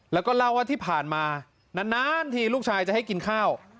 แล้วก็เล่าว่าที่ผ่านมานานทีลูกชายจะให้กินข้าว